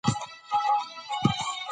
په فضا کې د فضانوردانو خوراک ځانګړی وي.